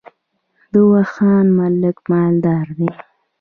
د واخان خلک مالدار دي